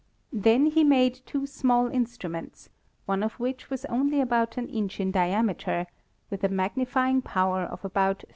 Then he made two small instruments, one of which was only ' about an inch in diameter, with a magnifying power of about 38.